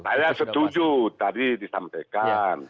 saya setuju tadi disampaikan